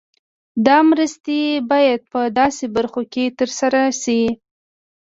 دا مرستې باید په داسې برخو کې تر سره شي.